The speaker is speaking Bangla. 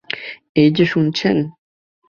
এই যে শুনছেন।